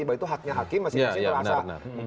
bahwa itu haknya hakim masih bisa terasa